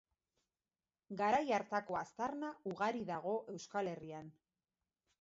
Garai hartako aztarna ugari dago Euskal Herrian.